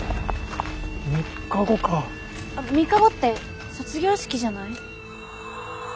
あっ３日後って卒業式じゃない？